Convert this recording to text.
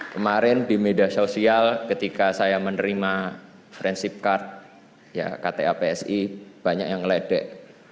kemarin di media sosial ketika saya menerima friendship card kta psi banyak yang ngeledek